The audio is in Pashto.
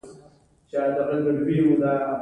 ماشوم په خوشحالۍ سره خپلې نوې کيسې راته بيان کړې.